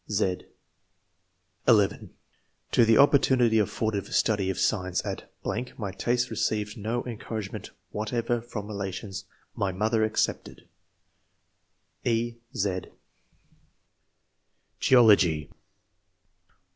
(z) (11) To the opportunity afforded for study of science at ... My tastes received no en couragement whatever from relations, my mother excepted." {e, z) GEOLOGY.